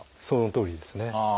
そのとおりですね。